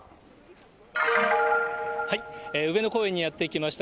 上野公園にやって来ました。